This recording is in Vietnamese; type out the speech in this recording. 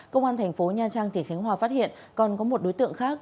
công an thành phố nha trang tỉnh khánh hòa phát hiện còn có một đối tượng khác